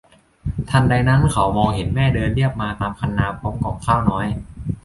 ทันใดนั้นเขามองเห็นแม่เดินเลียบมาตามคันนาพร้อมก่องข้าวน้อย